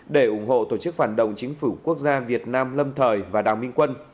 để ủng hộ tổ chức phản động chính phủ quốc gia việt nam lâm thời và đào minh quân